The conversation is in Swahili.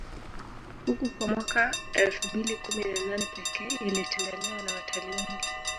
huku kwa mwaka elfu mbili kumi na nane Pekee ilitembelewa na watalii wengi